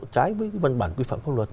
trái với cái văn bản quy phạm pháp luật